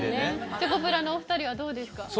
チョコプラのお２人はどうですか？